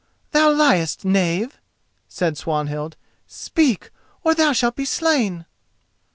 "Thou liest, knave," said Swanhild. "Speak, or thou shalt be slain."